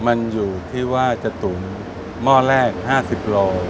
มันอยู่ที่ว่าจะตุ๋นหม้อแรก๕๐โล